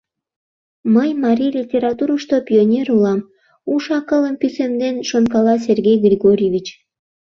«Мый марий литературышто пионер улам, — уш-акылым пӱсемден шонкала Сергей Григорьевич.